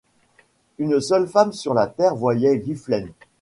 Une seule femme sur la terre voyait Gwynplaine.